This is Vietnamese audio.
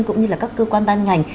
cũng như là các cơ quan ban ngành